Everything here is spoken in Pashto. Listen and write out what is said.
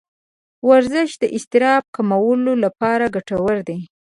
ورزش د اضطراب کمولو لپاره ګټور دی.